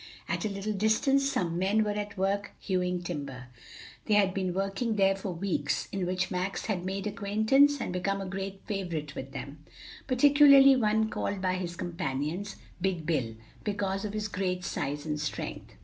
At a little distance some men were at work hewing timber. They had been working there for weeks, in which Max had made acquaintance and become a great favorite with them, particularly one called by his companions, "Big Bill," because of his great size and strength.